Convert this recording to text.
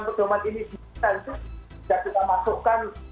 nah pedoman pedoman ini sendiri tentu tidak bisa dimasukkan